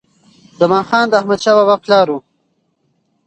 زمان خان د احمدشاه بابا پلار و.